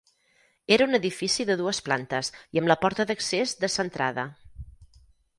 Era un edifici de dues plantes i amb la porta d'accés descentrada.